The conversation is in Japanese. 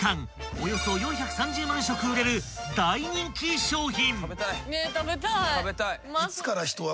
およそ４３０万食売れる大人気商品］